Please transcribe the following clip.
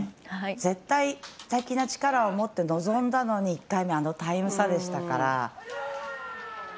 絶対的な力を持って臨んだのに１回目、あのタイム差でしたから。